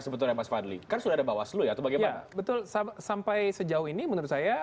sebetulnya mas fadli kan sudah ada bawaslu ya atau bagaimana betul sampai sejauh ini menurut saya